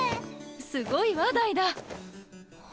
すごいわダイダ！